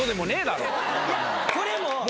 いやこれも。